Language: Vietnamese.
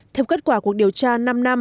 theo kết quả cuộc điều tra năm năm